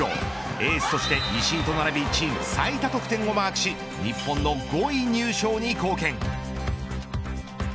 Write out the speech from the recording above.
エースとして石井と並びチーム最多得点をマークし日本の５位入賞に貢献。